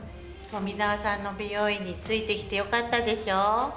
富沢さんの美容院についてきてよかったでしょう。